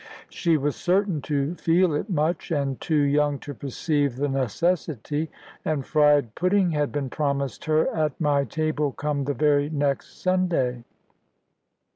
She was certain to feel it much, and too young to perceive the necessity; and fried pudding had been promised her at my table come the very next Sunday.